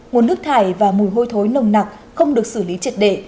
nguồn nước thải và mùi hôi thối nồng nặc không được xử lý triệt để